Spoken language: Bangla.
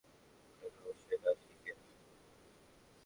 আপনাকে অবশ্যই রাশিয়াকে রক্ষা করতে হবে!